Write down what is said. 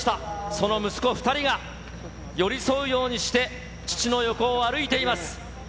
その息子２人が、寄り添うようにして、父の横を歩いています。